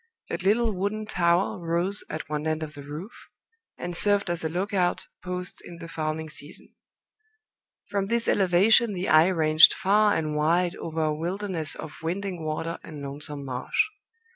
A little wooden tower rose at one end of the roof, and served as a lookout post in the fowling season. From this elevation the eye ranged far and wide over a wilderness of winding water and lonesome marsh.